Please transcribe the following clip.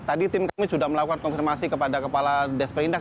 tadi tim kami sudah melakukan konfirmasi kepada kepala des perindak